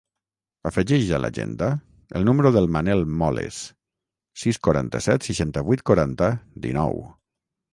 Afegeix a l'agenda el número del Manel Moles: sis, quaranta-set, seixanta-vuit, quaranta, dinou.